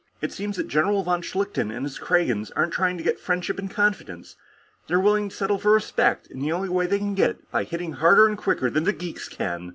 It seems that General von Schlichten and his Kragans aren't trying to get friendship and confidence; they're willing to settle for respect, in the only way they can get it by hitting harder and quicker than the geeks can."